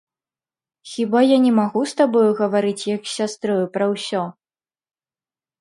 Хіба я не магу з табою гаварыць як з сястрою пра ўсё?